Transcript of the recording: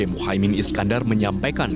muhaymin iskandar menyampaikan